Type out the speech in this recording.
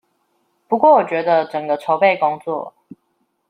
不過我覺得，整個籌備工作